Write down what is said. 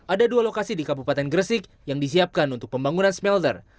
ada dua lokasi di kabupaten gresik yang disiapkan untuk pembangunan smelter